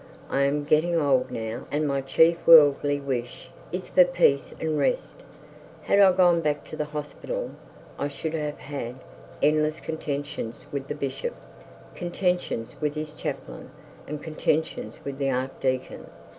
I am getting old now; and my chief worldly wish is for peace and rest. Had I gone back to the hospital, I should have had the endless contentions with the bishop, contentions with his chaplain, and contentions with the archdeacon.